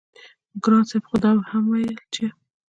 ګران صاحب خو به دا هم وييل چې